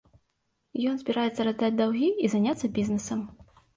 Ён збіраецца раздаць даўгі і заняцца бізнесам.